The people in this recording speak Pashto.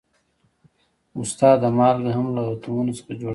استاده مالګه هم له اتومونو څخه جوړه شوې ده